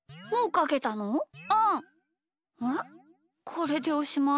これでおしまい？